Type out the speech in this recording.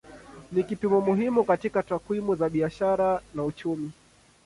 Ni kipimo muhimu katika takwimu za biashara na uchumi.